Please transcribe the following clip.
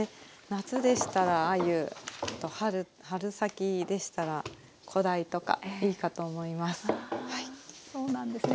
夏でしたらあゆ春先でしたらこだいとかいいかと思います。